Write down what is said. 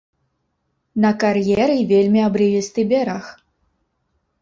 На кар'еры вельмі абрывісты бераг.